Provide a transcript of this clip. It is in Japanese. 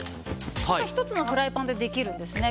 １つのフライパンでできるんですね。